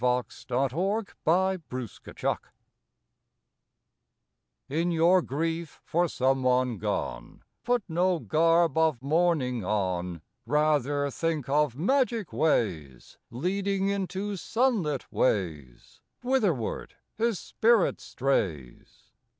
April Sixth IN HOURS OF GRIEF TN your grief for some one gone Put no garb of mourning on Rather think of magic ways Leading into sunlit ways Whitherward his spirit strays.